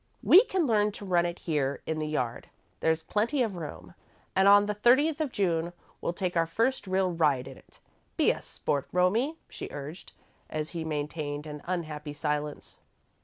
"We can learn to run it here in the yard there's plenty of room. And on the thirtieth of June, we'll take our first real ride in it. Be a sport, Romie," she urged, as he maintained an unhappy silence.